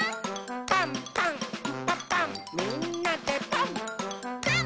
「パンパンんパパンみんなでパン！」